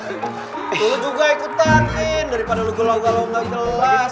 lu juga ikutan min daripada lu gelau gelau gak kelas